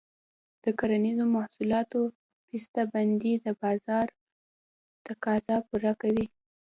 د کرنیزو محصولاتو بسته بندي د بازار تقاضا پوره کوي.